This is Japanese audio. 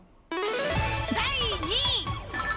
第２位。